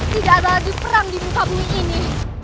tidak ada lagi perang di muka bumi ini